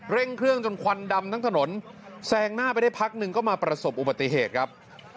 เร่งเครื่องจนควันดำทั้งถนนแซงหน้าไปได้พักหนึ่งก็มาประสบอุบัติเหตุครับ